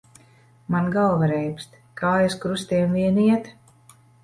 Man galva reibst, kājas krustiem vien iet.